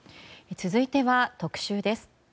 続いては特集です。